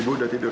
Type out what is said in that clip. ibu udah tidur